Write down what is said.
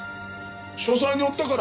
書斎におったから。